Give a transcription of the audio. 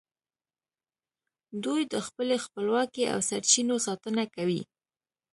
دوی د خپلې خپلواکۍ او سرچینو ساتنه کوي